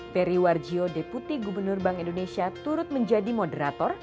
ferry warjio deputi gubernur bank indonesia turut menjadi moderator